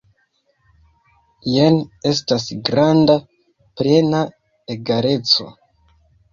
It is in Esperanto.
Jen estas granda, plena egaleco.